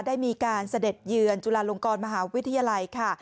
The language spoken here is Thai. ได้มีการเสด็จเยือนจุฬาลงกรมหาวิทยาลัยค่ะ